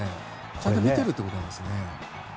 ちゃんと見てるってことなんですね。